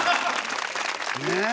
ねえ！